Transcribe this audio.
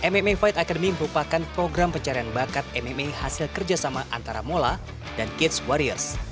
mma fight academy merupakan program pencarian bakat mma hasil kerjasama antara mola dan kids warriors